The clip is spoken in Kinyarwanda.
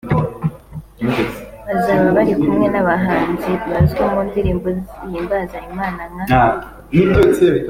Bazaba bari kumwe n’abahanzi bazwi mu ndirimbo zihimbaza Imana nka